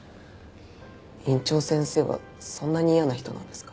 院長先生はそんなに嫌な人なんですか？